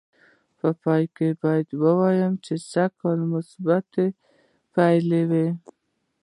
په پای کې باید ووایم چې سږ کال به مثبتې پایلې وې.